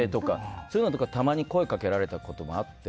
そういうのとかに、たまに声をかけられたこともあって。